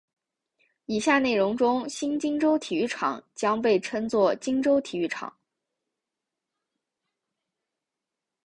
以下内容中新金州体育场将被称作金州体育场。